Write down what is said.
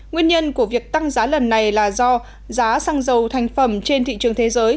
nguyên nhân của việc tăng giá lần này là do giá xăng dầu thành phẩm trên thị trường thế giới